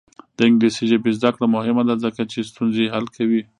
د انګلیسي ژبې زده کړه مهمه ده ځکه چې ستونزې حل کوي.